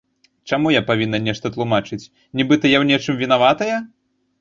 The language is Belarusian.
Чаму я павінна нешта тлумачыць, нібыта я ў нечым вінаватая?